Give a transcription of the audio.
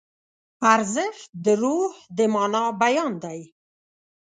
ارزښت د روح د مانا بیان دی.